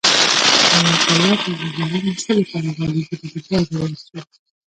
الله تعالی پیغمبران د څه لپاره رالېږلي دي باید وویل شي.